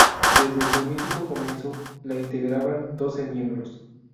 Desde su mítico comienzo la integraban doce miembros.